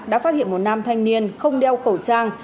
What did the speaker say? đã phát hiện một nam thanh niên không đeo khẩu trang